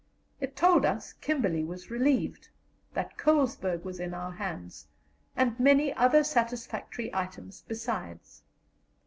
It told us Kimberley was relieved, that Colesberg was in our hands, and many other satisfactory items besides.